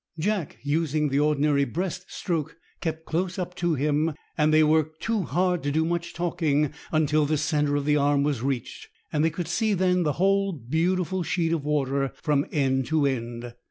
Jack, using the ordinary breast stroke, kept close up to him, and they worked too hard to do much talking until the centre of the Arm was reached, and they could see the whole beautiful sheet of water from end to end.